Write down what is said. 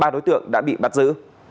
ba đối tượng đã bị bắt giữ